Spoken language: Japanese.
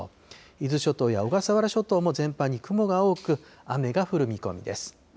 伊豆諸島や小笠原諸島も全般に雲が多く、雨が降る見込みです。